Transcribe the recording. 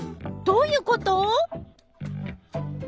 どういうこと？